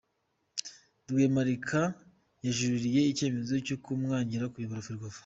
Rwemarika yajuririye icyemezo cyo kumwangira kuyobora Ferwafa